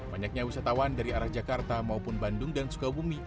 banyaknya wisatawan dari arah jakarta maupun bandung dan sukabumi